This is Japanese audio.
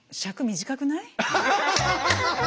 短くない？